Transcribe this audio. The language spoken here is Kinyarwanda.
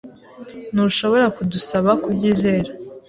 Ntushobora kudusaba kubyizera.